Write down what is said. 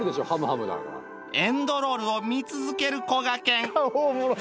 エンドロールを見続けるこがけん